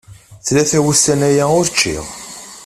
Tlata wussan aya ur ččiɣ.